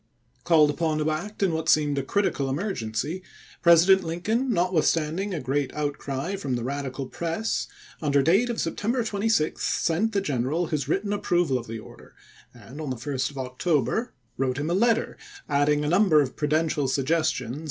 Called upon to act in what seemed a critical emergency. President Lincoln, notwithstanding a great outcry from the Radical press, under date of September 26 sent the general his written approval of the order, and on the 1st of October wrote him a £>»= MISSOURI RADICALS AND CONSERVATIVES 225 letter, adding a number of prudential suggestions chap.